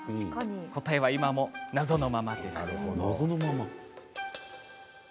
答えは今も謎のままです。